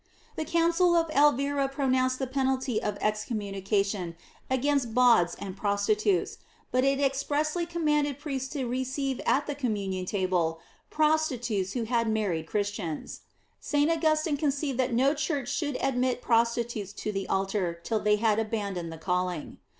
The Council of Elvira pronounced the penalty of excommunication against bawds and prostitutes, but it expressly commanded priests to receive at the communion table prostitutes who had married Christians. St. Augustin conceived that no church should admit prostitutes to the altar till they had abandoned the calling.